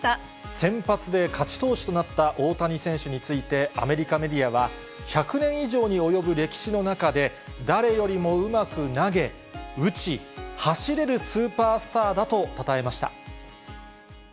先発で勝ち投手となった大谷選手について、アメリカメディアは、１００年以上に及ぶ歴史の中で、誰よりもうまく投げ、打ち、走れるスーパースターだとたたえました。